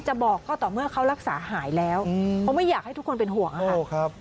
บอกก็ต่อเมื่อเขารักษาหายแล้วเพราะไม่อยากให้ทุกคนเป็นห่วงอะค่ะ